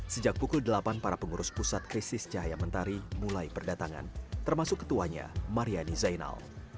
sejak pukul delapan para pengurus pusat krisis cahaya mentari mulai berdatangan termasuk ketuanya mariani zainal